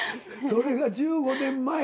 それが１５年前。